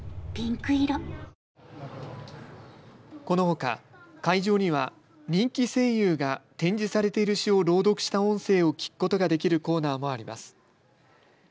このほか会場には人気声優が展示されている詩を朗読した音声を聞くことができるコーナーもあります。